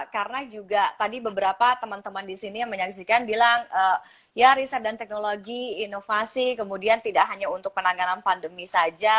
karena juga tadi beberapa teman teman di sini yang menyaksikan bilang ya riset dan teknologi inovasi kemudian tidak hanya untuk penanganan pandemi saja